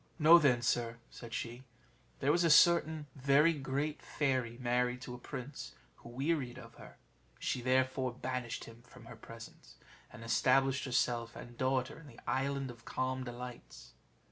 "Know then, sir," said she, "there was a certain very great fairy married to a prince who wearied of her; she therefore banished him from her presence, and established herself and daughter in the Island of Calm Delights.